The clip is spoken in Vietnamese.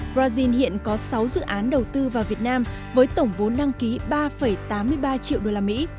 brazil hiện có sáu dự án đầu tư vào việt nam với tổng vốn đăng ký ba tám mươi ba triệu đô la mỹ